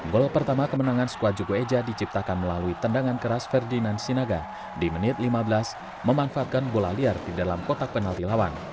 gol pertama kemenangan skuad jogo eja diciptakan melalui tendangan keras ferdinand sinaga di menit lima belas memanfaatkan bola liar di dalam kotak penalti lawan